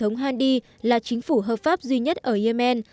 hội đồng hợp tác vùng vịnh gcc khẳng định chính phủ hợp pháp duy nhất ở yemen